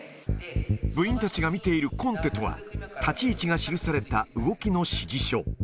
部員たちが見ているコンテとは、立ち位置が記された動きの指示書。